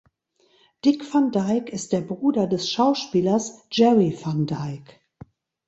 Dick Van Dyke ist der Bruder des Schauspielers Jerry Van Dyke.